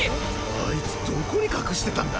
あいつどこに隠してたんだ？